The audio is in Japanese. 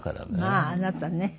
まああなたね。